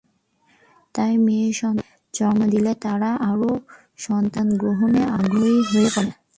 তাই মেয়েসন্তানের জন্ম দিলে তারা আরও সন্তান গ্রহণে আগ্রহী হয়ে পড়ে।